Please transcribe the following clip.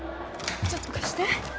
ちょっと貸して。